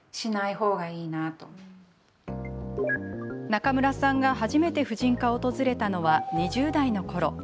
中村さんが初めて婦人科を訪れたのは２０代のころ。